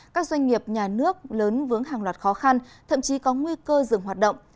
các doanh nghiệp nhà nước lớn vướng hàng loạt khó khăn thậm chí có nguy cơ dừng hoạt động